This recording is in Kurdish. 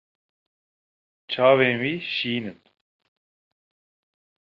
Çavên wî şîn in.